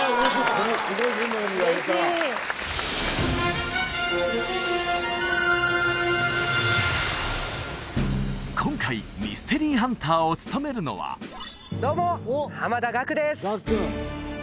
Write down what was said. このすごいメンバーに言われた今回ミステリーハンターを務めるのはどうも濱田岳です！